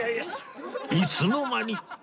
いつの間に！？